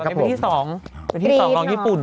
ตอนนี้เป็นที่๒ที่๒ลองญี่ปุ่น